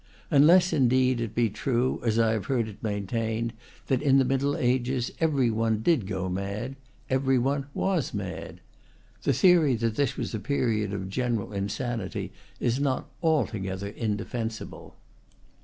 Unless, indeed, it be true, as I have heard it main tained, that in the Middle Ages every one did go mad, every one was mad. The theory that this was a period of general insanity is not altogether indefensible.